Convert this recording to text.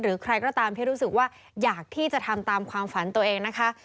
ใครก็ตามที่รู้สึกว่าอยากที่จะทำตามความฝันตัวเองนะคะ